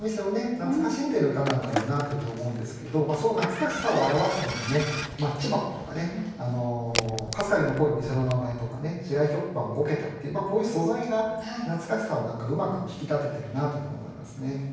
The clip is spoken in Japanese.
懐かしんでる歌なんだろうなというふうに思うんですけどその懐かしさを表すのに「マッチ箱」とかね「かすかに残る店の名前」とかね「市外局番五桁」っていうこういう素材が懐かしさを何かうまく引き立ててるなというふうに思いますね。